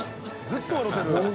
ずっと笑ってる。